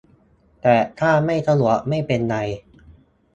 แต่ถ้าไม่สะดวกไม่เป็นไร